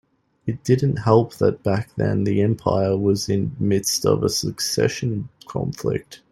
It didn't help that back then the empire was in the midst of a succession conflict.